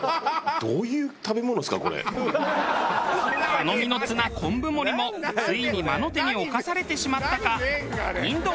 頼みの綱昆布森もついに魔の手に侵されてしまったか？